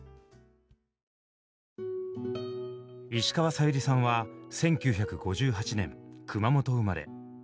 石川さゆりさんは１９５８年熊本生まれ。